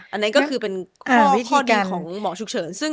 อันนั้นก็คือเป็นข้อดีของหมอชุกเฉิน